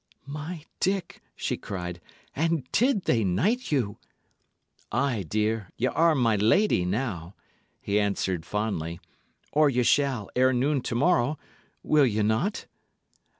"My Dick!" she cried. "And did they knight you?" "Ay, dear, ye are my lady now," he answered, fondly; "or ye shall, ere noon to morrow will ye not?"